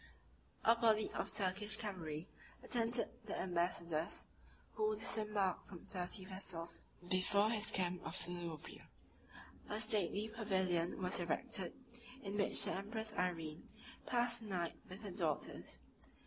49 A body of Turkish cavalry attended the ambassadors, who disembarked from thirty vessels, before his camp of Selybria. A stately pavilion was erected, in which the empress Irene passed the night with her daughters.